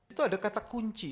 itu ada kata kunci